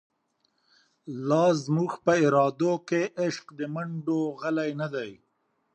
لا زموږ په ارادو کی، عشق د مڼډو غلۍ نه دۍ